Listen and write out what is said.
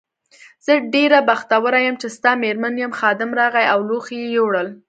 زه ډېره بختوره یم چې ستا مېرمن یم، خادم راغی او لوښي یې یووړل.